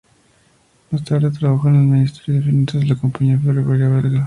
Más tarde trabajó en el Ministerio de Finanzas y en la compañía ferroviaria belga.